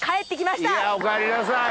おかえりなさい。